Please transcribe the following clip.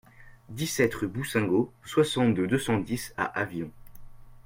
dix-sept rue Boussingault, soixante-deux, deux cent dix à Avion